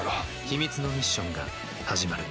秘密のミッションが始まる